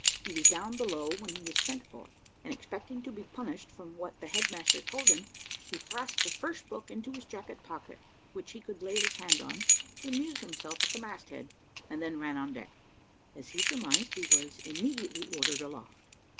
He was down below when he was sent for, and expecting to be punished from what the head master told him, he thrust the first book into his jacket pocket which he could lay his hand on, to amuse himself at the mast head, and then ran on deck. As he surmised he was immediately ordered aloft.